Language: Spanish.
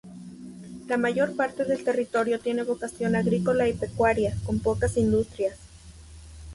La mayor parte del territorio tiene vocación agrícola y pecuaria, con pocas industrias.